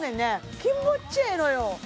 気持ちええのよ